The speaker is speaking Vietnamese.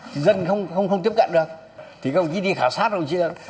chúng ta có thể tạo ra